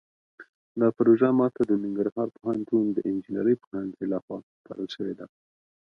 دا پروژه ماته د ننګرهار پوهنتون د انجنیرۍ پوهنځۍ لخوا سپارل شوې ده